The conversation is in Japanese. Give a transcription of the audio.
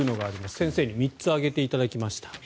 先生に３つ挙げていただきました。